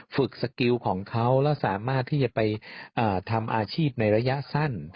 สกิลของเขาแล้วสามารถที่จะไปทำอาชีพในระยะสั้น